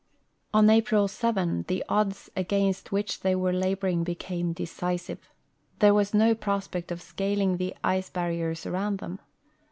On April 7 the odds against which they were laboring became decisive ; there was no prospect of scaling the ice barriers around them.